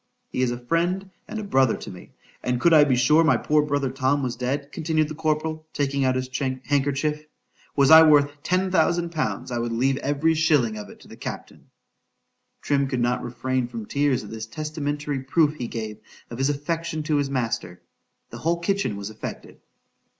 He is a friend and a brother to me,—and could I be sure my poor brother Tom was dead,—continued the corporal, taking out his handkerchief,—was I worth ten thousand pounds, I would leave every shilling of it to the captain.——Trim could not refrain from tears at this testamentary proof he gave of his affection to his master.——The whole kitchen was affected.